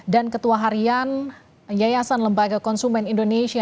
dan ketua harian yayasan lembaga konsumen indonesia